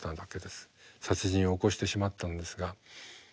殺人を起こしてしまったんですが。